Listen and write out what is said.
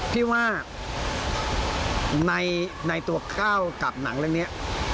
พี่ว่าในตัวก้าวกับหนังเรื่องนี้